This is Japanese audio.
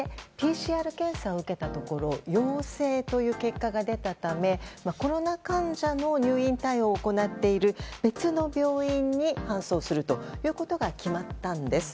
ＰＣＲ検査を受けたところ陽性という結果が出たためコロナ患者の入院対応を行っている別の病院に搬送するということが決まったんです。